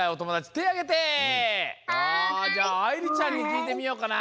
じゃああいりちゃんにきいてみようかな。